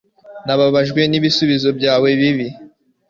Nababajwe n'ibisubizo byawe bibi.